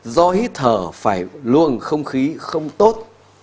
do hít thở phải luôn không khí không tốt